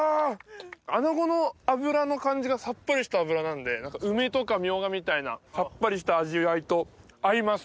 アナゴの脂の感じがさっぱりした脂なんで梅とかミョウガみたいなさっぱりした味わいと合います